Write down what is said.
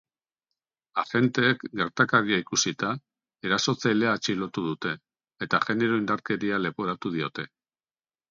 Agenteek gertakaria ikusita, erasotzailea atxilotu dute, eta genero-indarkeria leporatu diote.